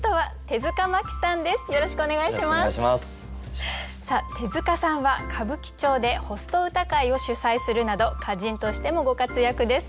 手塚さんは歌舞伎町でホスト歌会を主宰するなど歌人としてもご活躍です。